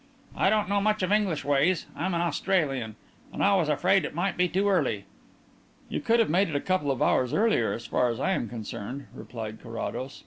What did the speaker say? "I don't know much of English ways I'm an Australian and I was afraid it might be too early." "You could have made it a couple of hours earlier as far as I am concerned," replied Carrados.